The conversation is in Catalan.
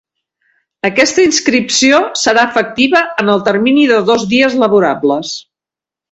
Aquesta inscripció serà efectiva en el termini de dos dies laborables.